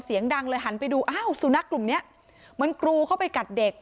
เสียงดังเลยหันไปดูอ้าวสุนัขกลุ่มเนี้ยมันกรูเข้าไปกัดเด็ก